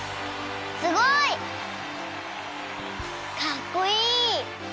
すごい！かっこいい！